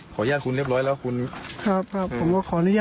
เข้าใจแล้วไหนกับผลไม้ให้หนุ่ม